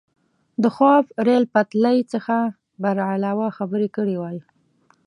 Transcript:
د خواف ریل پټلۍ څخه برعلاوه خبرې کړې وای.